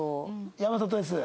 山里です。